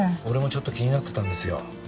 俺もちょっと気になってたんですよ。